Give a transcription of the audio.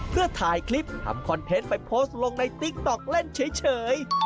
เพื่อถ่ายคลิปทำคอนเทนต์ไปโพสต์ลงในติ๊กต๊อกเล่นเฉย